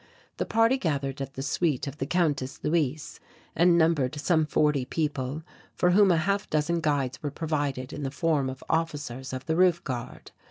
The party gathered at the suite of the Countess Luise and numbered some forty people, for whom a half dozen guides were provided in the form of officers of the Roof Guard.